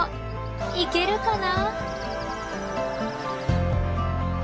いけるかな？